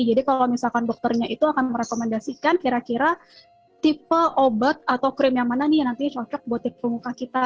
jadi kalau misalkan dokternya itu akan merekomendasikan kira kira tipe obat atau krim yang mana nih yang nantinya cocok buat tipe muka kita